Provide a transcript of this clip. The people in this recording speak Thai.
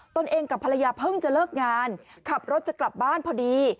ตัวเองกับภรรยาเพิ่งจะเลิกงานขับรถจะกลับบ้านพอดี